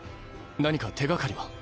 何か手がかりは？